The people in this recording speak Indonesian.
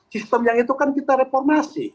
sistem yang itu kan kita reformasi